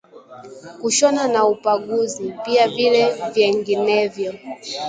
Kushona na upagazi, pia vile vyenginevyo